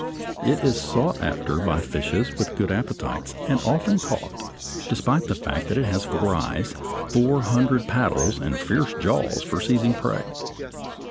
It is sought after by fishes with good appetites, and often caught, despite the fact that it has four eyes, four hundred paddles, and fierce jaws for seizing prey.